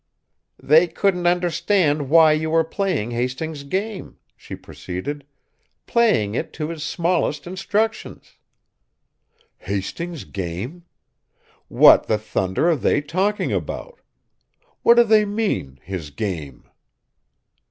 "They couldn't understand why you were playing Hastings' game," she proceeded, "playing it to his smallest instructions." "Hastings' game! What the thunder are they talking about? What do they mean, his game?"